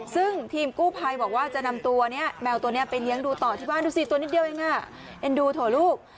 ซึ่งทีมกู้ภัยบอกว่าจะนำตัวเนี่ยแมวตัวนี้ไปเลี้ยงดูต่อที่บ้านดูสิตัวนิดเดียวเองเอ็นดูเถอะลูก